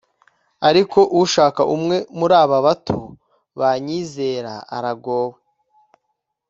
ariko ushuka umwe muri aba bato banyizera aragowe